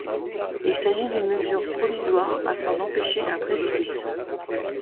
Il s'agit d'une mesure provisoire afin d'empêcher un préjudice.